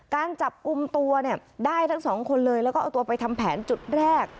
การจับกลุ่มตัวเนี่ยได้ทั้งสองคนเลยแล้วก็เอาตัวไปทำแผนจุดแรก